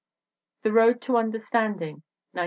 The Road to Understanding, 1917.